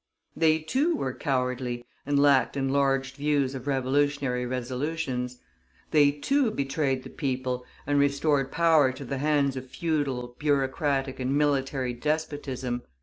They, too, were cowardly, and lacked enlarged views of revolutionary resolutions; they, too, betrayed the people, and restored power to the hands of feudal, bureaucratic, and military despotism.